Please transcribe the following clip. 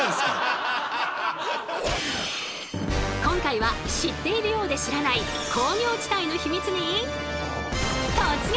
今回は知っているようで知らない工業地帯のヒミツに突撃！